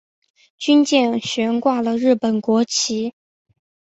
军舰悬挂了日本国旗。